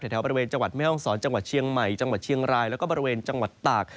แถวบริเวณจังหวัดแม่ห้องศรจังหวัดเชียงใหม่จังหวัดเชียงรายแล้วก็บริเวณจังหวัดตาก